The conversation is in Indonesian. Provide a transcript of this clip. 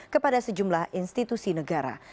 kepada sejumlah institusi negara